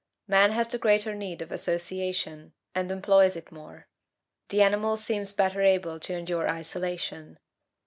Man has the greater need of association, and employs it more; the animal seems better able to endure isolation.